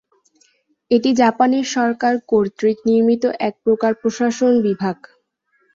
এটি জাপানের সরকার কর্তৃক নির্মিত এক প্রকার প্রশাসন বিভাগ।